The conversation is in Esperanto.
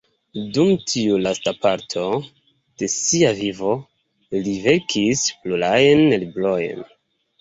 Dum tiu lasta parto de sia vivo li verkis plurajn librojn.